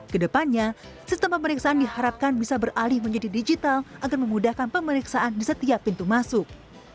kedepannya sistem pemeriksaan diharapkan bisa beralih menjadi digital agar memudahkan pemeriksaan di setiap pintu masuk